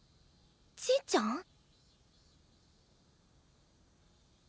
ちぃちゃん？